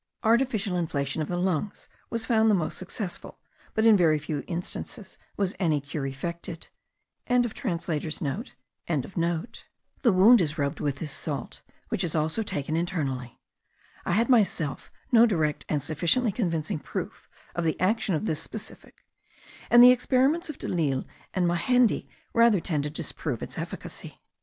Artificial inflation of the lungs was found the most successful, but in very few instances was any cure effected.]) The wound is rubbed with this salt, which is also taken internally. I had myself no direct and sufficiently convincing proof of the action of this specific; and the experiments of Delille and Majendie rather tend to disprove its efficacy.